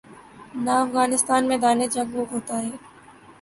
نہ افغانستان میدان جنگ وہ ہوتا ہے۔